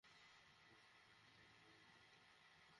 যেমনটা যোগীবাবু বলেছে, ও দুজনকেই বিয়ে করবে মনে হচ্ছে?